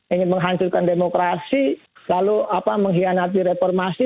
ingin menghancurkan demokrasi lalu mengkhianati reformasi